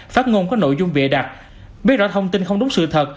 phát ngôn có nội dung bịa đặt biết rõ thông tin không đúng sự thật